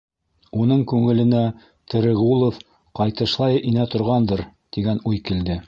Уның күңеленә, Тереғулов ҡайтышлай инә торғандыр, тигән уй килде.